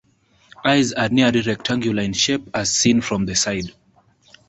Eyes are nearly rectangular in shape as seen from the side.